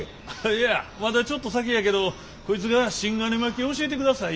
いやまだちょっと先やけどこいつが芯金巻き教えてください